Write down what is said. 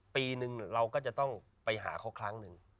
ปีนึงเราก็จะต้องไปหาเขาครั้งหนึ่ง